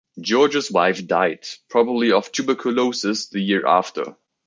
George's wife died, probably of tuberculosis, the year after.